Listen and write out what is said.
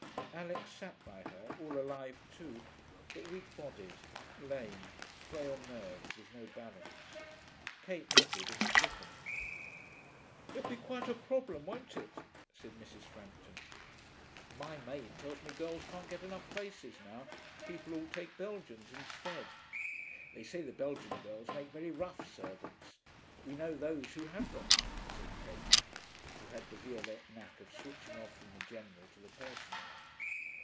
Alix sat by her, all alive too, but weak bodied, lame, frail nerved, with no balance. Kate knitted, and was different. 'It will be quite a problem, won't it?' said Mrs. Frampton. 'My maid tells me girls can't get enough places now, people all take Belgians instead.' 'They say the Belgian girls make very rough servants. We know those who have them,' said Kate, who had the Violette knack of switching off from the general to the personal.